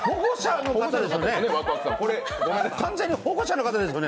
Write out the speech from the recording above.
完全に保護者の方ですよね。